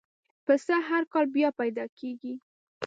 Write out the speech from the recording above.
پسه هر کال بیا پیدا کېږي.